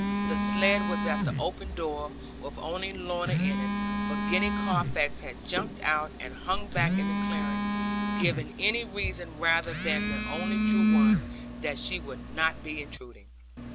The sledd was at the open door, with only Lorna in it; for Gwenny Carfax had jumped out, and hung back in the clearing, giving any reason rather than the only true one that she would not be intruding.